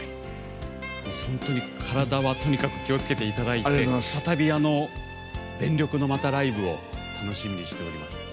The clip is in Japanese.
本当に体はとにかく気をつけていただいて再び、全力のライブを楽しみにしております。